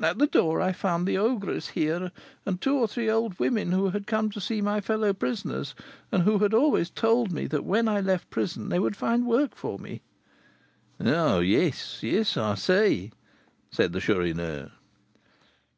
At the door, I found the ogress here, and two or three old women, who had come to see my fellow prisoners, and who had always told me that when I left the prison they would find work for me." "Yes, yes, I see," said the Chourineur.